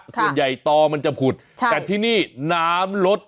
ส่วนใหญ่ตอมันจะผุดแต่ที่นี่น้ำลด